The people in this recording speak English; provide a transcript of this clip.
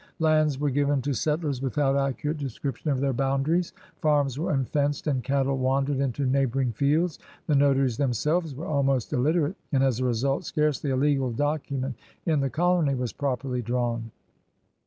Lands were given to settlers without accurate description of their boundaries; farms were imfenced and cattle wandered into neighboring fields; the notaries themselves were almost illiterate, and as a result scarcely a legal document in the colony was properly drawn.